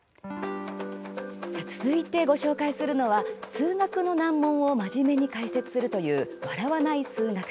続いて、ご紹介するのは数学の難問を真面目に解説するという「笑わない数学」。